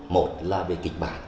một là về kịch bản